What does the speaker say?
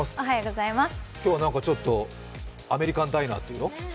今日はちょっとアメリカンダイナーっていうの？